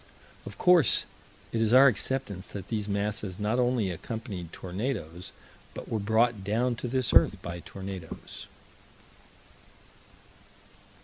Of course it is our acceptance that these masses not only accompanied tornadoes, but were brought down to this earth by tornadoes.